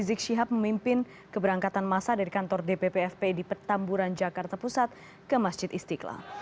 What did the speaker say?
rizik syihab memimpin keberangkatan masa dari kantor dpp fpi di petamburan jakarta pusat ke masjid istiqlal